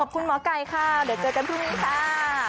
คุณหมอไก่ค่ะเดี๋ยวเจอกันพรุ่งนี้ค่ะ